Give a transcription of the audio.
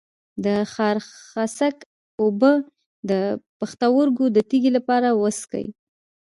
د خارخاسک اوبه د پښتورګو د تیږې لپاره وڅښئ